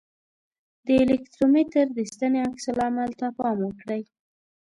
د الکترومتر د ستنې عکس العمل ته پام وکړئ.